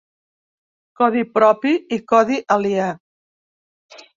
"Codi propi" i "codi aliè"